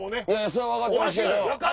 それは分かってますけど。